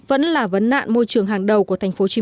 vẫn là vấn nạn môi trường hàng đầu của tp hcm và của cả nước